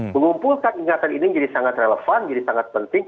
mengumpulkan ingatan ini menjadi sangat relevan jadi sangat penting